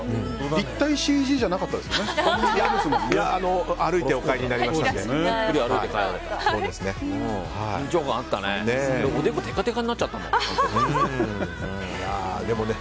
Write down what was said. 立体ＣＧじゃなかったですもんね。